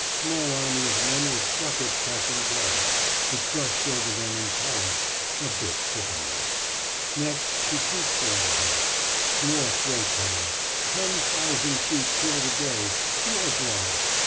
Small army of men with buckets catching blood; it gushed over them in torrents—a bit sickening. Next to sheep slaughter house. More throat cutting—ten thousand sheep killed a day—more blood.